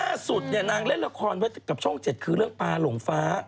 ล่าสุดเนี่ยนางเล่นละครไว้กับช่อง๗คือเรื่องปลาหลงฟ้า